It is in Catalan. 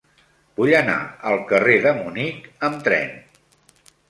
Vull anar al carrer de Munic amb tren.